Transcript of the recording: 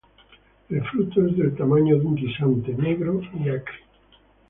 El fruto es del tamaño de un guisante, negro y acre.